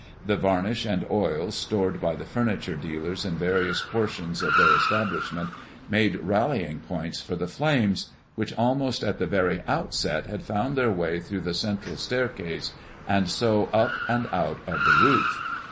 The varnish and oils stored by the furniture dealers in various portions of their establishment made rallying points for the flames, which almost at the very outset had found their way through the central staircase, and so up and out of the roof.